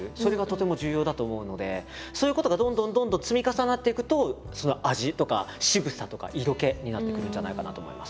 そういうことがどんどんどんどん積み重なっていくとその味とかしぐさとか色気になってくるんじゃないかなと思います。